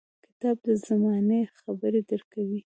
• کتاب د زمانې خبرې درکوي.